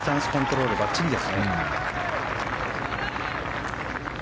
ディスタンスコントロールばっちりですね。